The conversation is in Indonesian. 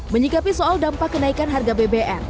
menyikapi soal dampak kenaikan harga bbm